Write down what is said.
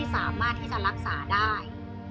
สามารถที่จะรักษาได้